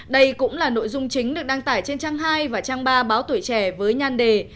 đây cũng là nội dung chính được đăng tải trên trang hai và trang ba báo tuổi trẻ với nhan đề